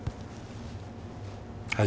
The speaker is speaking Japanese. はい。